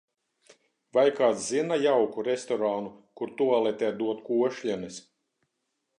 Vai kāds zina jauku restorānu kur, tualetē dod košļenes?